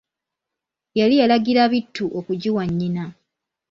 Yali yalagira Bittu okugiwa nnyina.